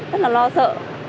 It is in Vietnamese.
rất là lo sợ